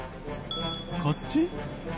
こっち？